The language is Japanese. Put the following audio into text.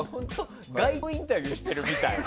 街頭インタビューしているみたい。